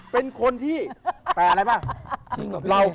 เป็นคนที่แต่อะไรป่ะ